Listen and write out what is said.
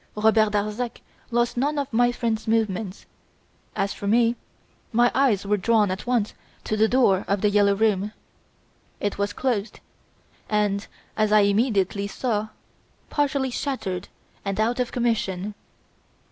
Robert Darzac lost none of my friend's movements. As for me, my eyes were drawn at once to the door of "The Yellow Room". It was closed and, as I immediately saw, partially shattered and out of commission.